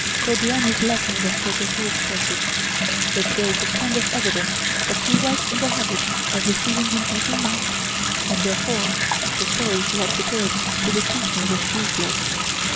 Cordiani's letter was perfectly explicit; it gave the strongest evidence that she was in the habit of receiving him every night, and therefore the story she had prepared to deceive me was useless.